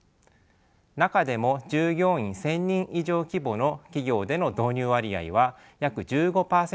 中でも従業員１，０００人以上規模の企業での導入割合は約１５％まで増えました。